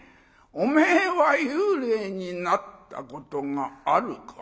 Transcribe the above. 「おめえは幽霊になったことがあるか？」。